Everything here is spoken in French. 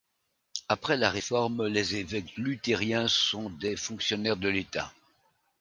Après la Réforme les évêques lutheriens sont des fonctionnaires de l'État.